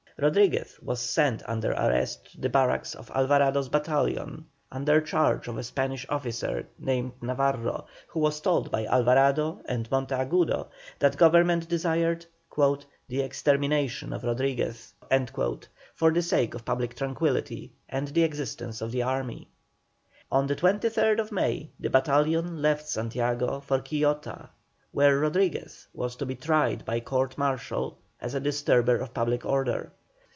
Rodriguez was sent under arrest to the barracks of Alvarado's battalion under charge of a Spanish officer named Navarro, who was told by Alvarado and Monteagudo that Government desired "the extermination of Rodriguez," for the sake of public tranquillity and the existence of the army. On the 23rd May the battalion left Santiago for Quillota, where Rodriguez was to be tried by court martial as a disturber of public order.